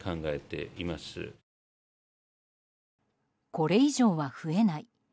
これ以上は増えない。